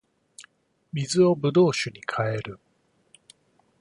水を葡萄酒に変える